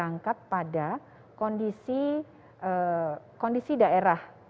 berangkat pada kondisi daerah